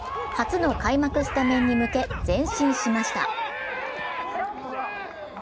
初の開幕スタメンに向け前進しました。